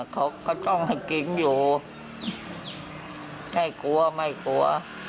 เขาก็ต้องให้กินอยู่แค่กลัวไม่กลัว